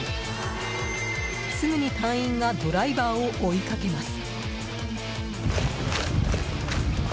すぐに隊員がドライバーを追いかけます。